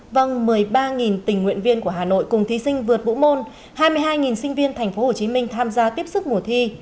vâng một mươi ba tình nguyện viên của hà nội cùng thí sinh vượt vũ môn hai mươi hai sinh viên tp hcm tham gia tiếp sức mùa thi